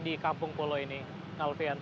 di kampung polo ini